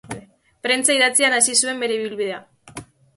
Prentsa idatzian hasi zuen bere ibilbidea.